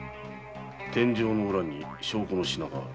天井裏に証拠の品がある」